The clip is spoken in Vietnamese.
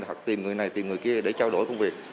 hoặc tìm người này tìm người kia để trao đổi công việc